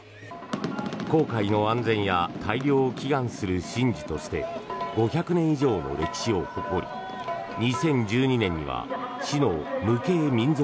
航海の安全や大漁を祈願する神事として５００年以上の歴史を誇り２０１２年には市の無形民俗